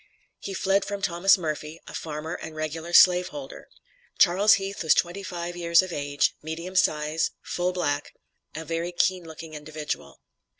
He fled from Thomas Murphy, a farmer, and regular slave holder. Charles Heath was twenty five years of age, medium size, full black, a very keen looking individual.